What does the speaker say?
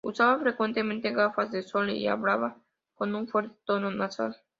Usaba frecuentemente gafas de sol y hablaba con un fuerte tono nasal.